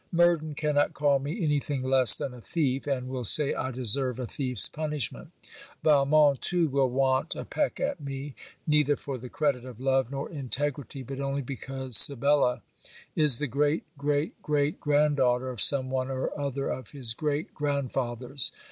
Murden cannot call me any thing less than a thief, and will say I deserve a thief's punishment. Valmont too will want a peck at me, neither for the credit of love nor integrity but only because Sibella is the great great great granddaughter of some one or other of his great grandfather's.